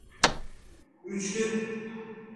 Üçlü…